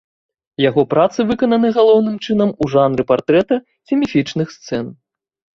Яго працы выкананы галоўным чынам у жанры партрэта ці міфічных сцэн.